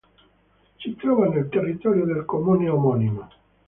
Si trova nel territorio del Comune omonimo.